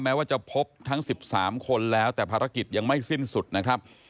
ว่าจะพบทั้ง๑๓คนแล้วแต่ภารกิจยังไม่สิ้นสุดนะครับ